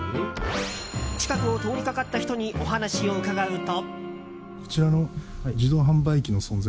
近くを通りかかった人にお話を伺うと。